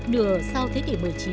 đừa sau thế kỷ một mươi chín